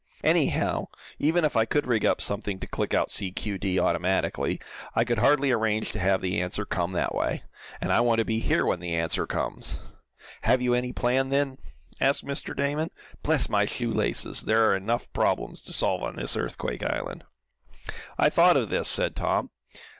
Anyhow, even if I could rig up something to click out 'C.Q.D.' automatically, I could hardly arrange to have the answer come that way. And I want to be here when the answer comes." "Have you any plan, then?" asked Mr. Damon. "Bless my shoe laces! there are enough problems to solve on this earthquake island." "I thought of this," said Tom.